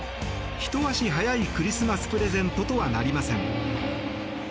ひと足早いクリスマスプレゼントとはなりません。